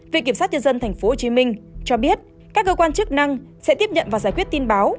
viện kiểm sát nhân dân tp hcm cho biết các cơ quan chức năng sẽ tiếp nhận và giải quyết tin báo